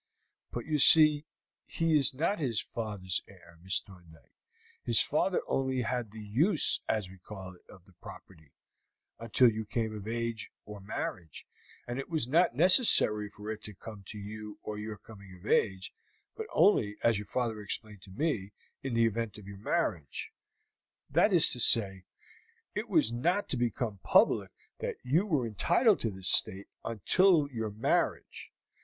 "But you see he is not his father's heir, Miss Thorndyke. His father only had the use, as we call it, of the property until you came of age, or marriage; it was not necessary for it to come to you on your coming of age, but only, as your father explained to me, in the event of your marriage; that is to say, it was not to become public that you were entitled to the estate until your marriage.